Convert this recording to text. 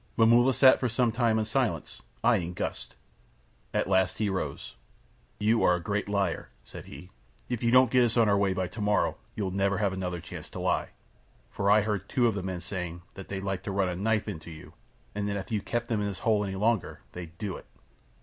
Momulla sat for some time in silence, eyeing Gust. At last he rose. "You are a great liar," he said. "If you don't get us on our way by tomorrow you'll never have another chance to lie, for I heard two of the men saying that they'd like to run a knife into you and that if you kept them in this hole any longer they'd do it."